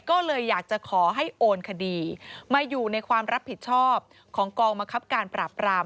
ก็เลยอยากจะขอให้โอนคดีมาอยู่ในความรับผิดชอบของกองบังคับการปราบราม